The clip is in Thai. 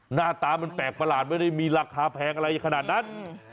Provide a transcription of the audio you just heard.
หน้าตามันแปลกประหลาดไม่ได้มีราคาแพงอะไรขนาดนั้น